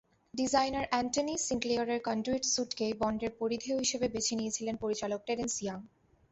Designer Anthony সিনক্লেয়ারের conduit স্যুটকেই বন্ডের পরিধেয় হিসেবে বেছে নিয়েছিলেন পরিচালক টেরেন্স ইয়াং।